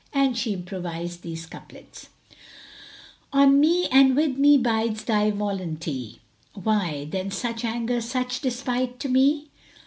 And she improvised these couplets, "On me and with me bides thy volunty; * Why then such anger such despite to me?